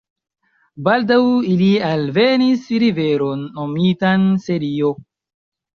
Baldaŭ ili alvenis riveron, nomitan Serio.